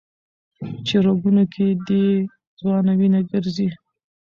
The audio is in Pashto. چي رګونو كي دي ځوانه وينه ګرځي